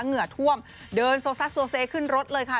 เหงื่อท่วมเดินสักขึ้นรถเลยค่ะ